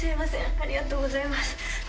ありがとうございます。